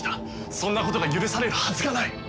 そんなことが許されるはずがない！